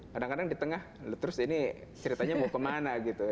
kadang kadang di tengah terus ini ceritanya mau kemana gitu